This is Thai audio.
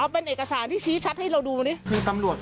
เป็นเอกสารชี้ชัดให้ดูมาดิ